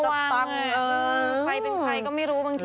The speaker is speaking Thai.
ต้องระวังไงใครเป็นใครก็ไม่รู้บางที